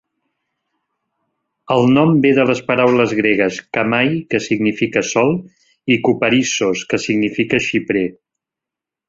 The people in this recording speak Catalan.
El nom ve de les paraules gregues "khamai", que significa sòl, i "kuparissos", que significa xiprer.